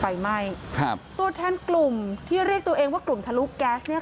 ไฟไหม้แต่ว่าแทนกลุ่มที่เรียกตัวเองว่ากลุ่มทะลุกแก๊ส